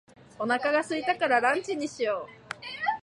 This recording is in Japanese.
お腹が空いたからランチにしよう。